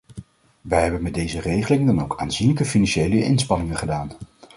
Wij hebben met deze regeling dan ook aanzienlijke financiële inspanningen gedaan.